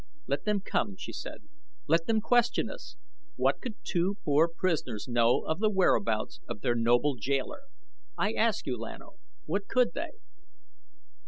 "Let them come," she said. "Let them question us! What could two poor prisoners know of the whereabouts of their noble jailer? I ask you, Lan O, what could they?"